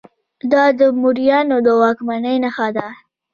دا د موریانو د واکمنۍ نښه ده